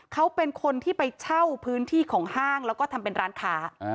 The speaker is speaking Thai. เขาเป็นคนที่ไปเช่าพื้นที่ของห้างแล้วก็ทำเป็นร้านค้า